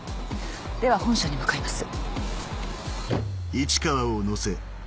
では本社に向かいます。